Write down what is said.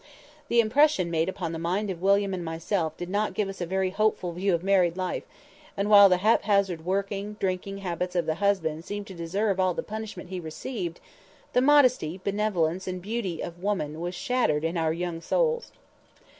The impression made upon the mind of William and myself did not give us a very hopeful view of married life, and while the haphazard working, drinking habits of the husband seemed to deserve all the punishment he received, the modesty, benevolence and beauty of woman was shattered in our young souls.